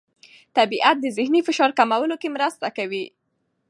طبیعت د ذهني فشار کمولو کې مرسته کوي.